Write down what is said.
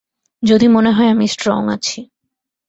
যদি মনে হয় আমি স্ট্রং আছি।